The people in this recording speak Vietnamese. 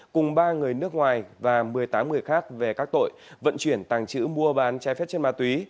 cùng ba người nước ngoài và một mươi tám người khác về các tội vận chuyển tàng chữ mua bán trái phép trên ma túy